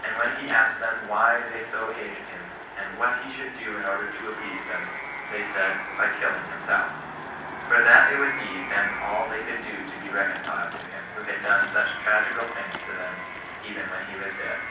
And when he asked them why they so hated him, and what he should do in order to appease them, they said, by killing himself; for that it would be then all they could do to be reconciled to him, who had done such tragical things to them, even when he was dead.